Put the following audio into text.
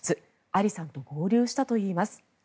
アリさんと合流したといいます。